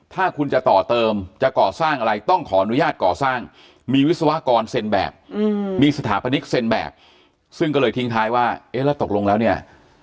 ถ้าคุณจะต่อเติมจะก่อสร้างอะไรต้องขออนุญาตก่อสร้างมีวิศวกรเซ็นแบบมีสถาปนิกเซ็นแบบซึ่งก็เลยทิ้งท้ายว่าเอ๊ะแล้วตกลงแล้วเนี่ย